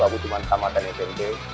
aku cuma tamatan smp